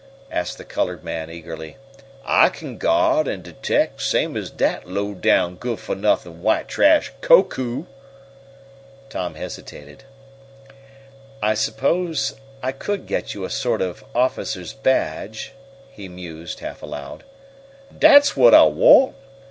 asked the colored man eagerly. "I kin guard an' detect same as dat low down, good fo' nuffin white trash Koku!" Tom hesitated. "I suppose I could get you a sort of officer's badge," he mused, half aloud. "Dat's whut I want!"